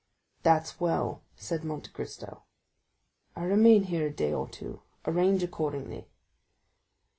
"That's well," said Monte Cristo; "I remain here a day or two—arrange accordingly."